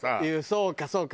そうかそうか。